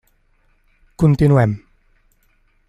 Continuem.